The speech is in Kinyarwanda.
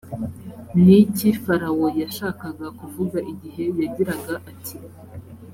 ni iki farawo yashakaga kuvuga igihe yagiraga ati